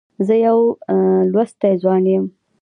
زه يو لوستی ځوان یم.